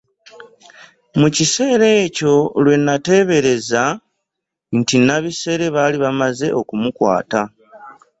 Mu kiseera ekyo lwe nateebereza nti Nabisere baali bamaze okumukwata.